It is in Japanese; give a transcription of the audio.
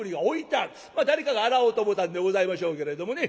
誰かが洗おうと思たんでございましょうけれどもね。